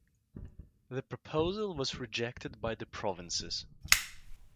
The proposal was rejected by the provinces.